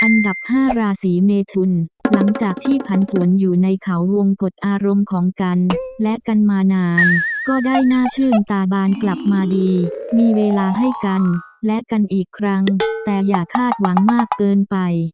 อันดับ๕ราศีเมทุนหลังจากที่ผันปวนอยู่ในเขาวงกฎอารมณ์ของกันและกันมานานก็ได้น่าชื่นตาบานกลับมาดีมีเวลาให้กันและกันอีกครั้งแต่อย่าคาดหวังมากเกินไป